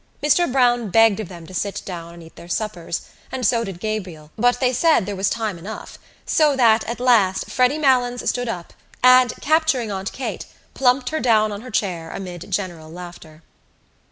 Mr Browne begged of them to sit down and eat their suppers and so did Gabriel but they said they were time enough so that, at last, Freddy Malins stood up and, capturing Aunt Kate, plumped her down on her chair amid general laughter.